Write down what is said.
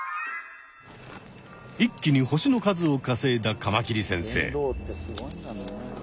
一気に星の数をかせいだカマキリ先生。